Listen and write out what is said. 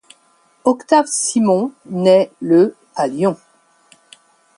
Octave Simon naît le à Lyon.